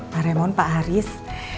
pak remon pak haris